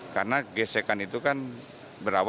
karena gesekan itu kan berawasan